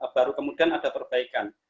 baru kemudian ada perbaikan